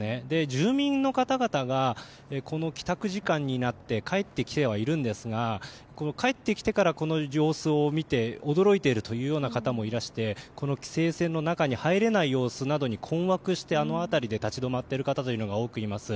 住民の方々が帰宅時間帯になって帰ってきてはいるんですが帰ってきてからこの様子を見て驚いている方もいらして規制線の中に入れない様子などに困惑して、あの辺りで立ち止まっている方というのが多くいます。